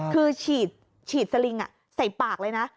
คือฉีดสลิงใส่ปากเลยนะ